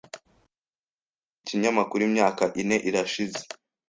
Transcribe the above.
Nkora iki kinyamakuru imyaka ine irashize.